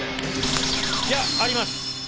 いや、あります。